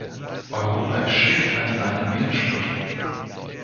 Europa erstickt an seinen Widersprüchen.